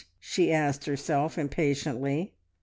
she asked herself impatiently.